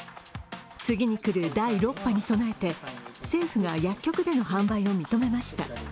次に来る第６波に備えて政府が薬局での販売を認めました。